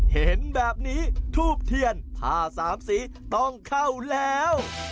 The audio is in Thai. เห็นแบบนี้ทูบเทียนผ้าสามสีต้องเข้าแล้ว